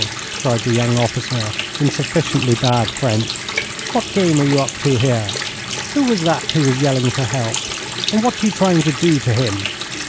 cried the young officer, in sufficiently bad French, 'what game are you up to here? Who was that who was yelling for help, and what are you trying to do to him?'